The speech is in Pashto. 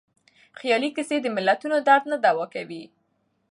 خیالي کيسې د ملتونو درد نه دوا کوي.